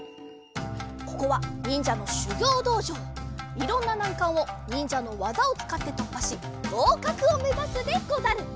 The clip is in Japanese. いろんななんかんをにんじゃのわざをつかってとっぱしごうかくをめざすでござる！